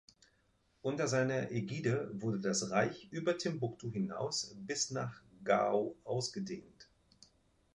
Unter seiner Ägide wurde das Reich über Timbuktu hinaus bis nach Gao ausgedehnt.